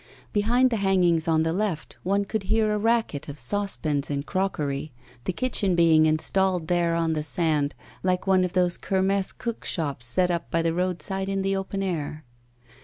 Behind the hangings on the left, one could hear a racket of saucepans and crockery; the kitchen being installed there on the sand, like one of those Kermesse cook shops set up by the roadside in the open air.